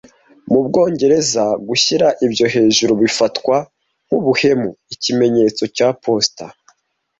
Mu Bwongereza gushyira ibyo hejuru bifatwa nkubuhemu Ikimenyetso cya posita